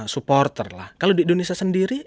supporter lah kalau di indonesia sendiri